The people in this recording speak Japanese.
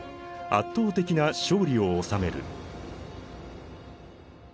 圧倒的な勝利を収める。